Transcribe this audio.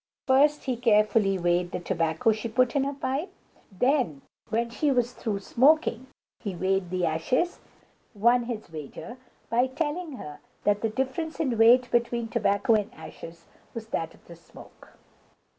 First he carefully weighed the tobacco she put in her pipe; then, when she was through smoking, he weighed the ashes, and won his wager by telling her that the difference in weight between tobacco and ashes was that of the smoke!